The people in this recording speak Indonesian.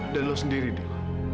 dan lo sendiri dil